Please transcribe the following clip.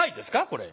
これ。